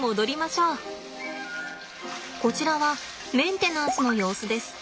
こちらはメンテナンスの様子です。